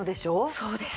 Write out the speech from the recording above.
そうです。